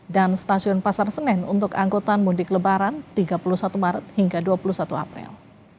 stasiun pasar senen untuk angkutan mudik lebaran tiga puluh satu maret hingga dua puluh satu april